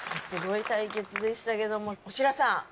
すごい対決でしたけどもおしらさん。